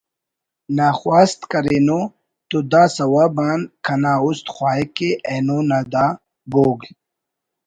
نا خواست کرینو تو دا سوب آن کنا است خواہک کہ اینو نا دا ’بوگ